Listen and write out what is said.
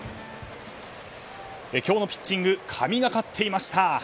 今日のピッチング神がかっていました。